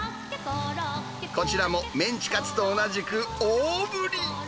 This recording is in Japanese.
こちらも、メンチカツと同じく大振り。